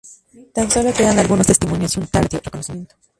Tan sólo quedan algunos testimonios y un tardío reconocimiento.